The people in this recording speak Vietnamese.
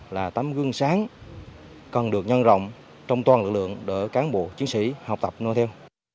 là tấm gương sáng cần được nhân rộng trong toàn lực lượng để cán bộ chiến sĩ học tập nói theo